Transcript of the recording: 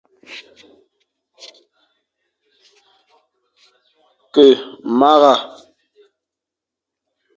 Ke mara,